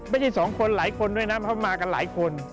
ไม่ใช่สองคนหลายคนด้วยนะเพราะมากันหลายคน